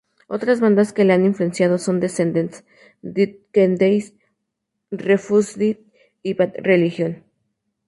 Otras bandas que les han influenciado son Descendents, Dead Kennedys, Refused, y Bad Religion.